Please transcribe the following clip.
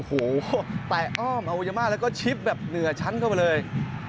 โอ้โหแตะอ้อมอวัยมาแล้วก็ชิปแบบเหนือชั้นเข้าไปเลย